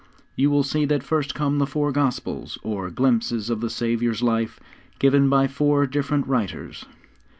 You will see that first come the four Gospels, or glimpses of the Saviour's life given by four different writers.